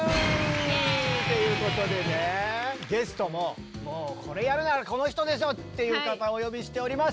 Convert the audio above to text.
イエーイ！ということでねゲストももうこれやるならこの人でしょ！っていう方お呼びしております！